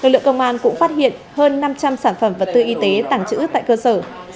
lực lượng công an cũng phát hiện hơn năm trăm linh sản phẩm vật tư y tế tàng trữ tại cơ sở